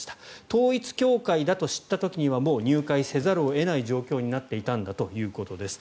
統一教会だと知った時にはもう入会せざるを得ない状況になっていたんだということです。